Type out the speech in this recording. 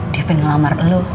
dia pengen ngelamar lo